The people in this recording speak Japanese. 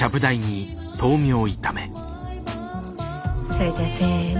それじゃあせの。